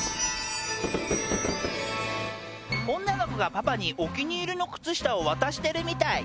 女の子がパパにお気に入りの靴下を渡してるみたい